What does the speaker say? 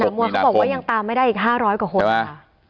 มวยเขาบอกว่ายังตามไม่ได้อีก๕๐๐กว่าคนค่ะ